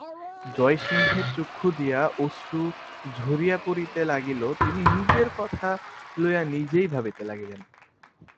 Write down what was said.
জয়সিংহের চক্ষু দিয়া অশ্রু ঝরিয়া পড়িতে লাগিল–তিনি নিজের কথা লইয়া নিজেই ভাবিতে লাগিলেন।